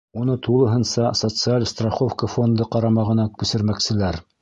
Уны тулыһынса Социаль страховка фонды ҡарамағына күсермәкселәр.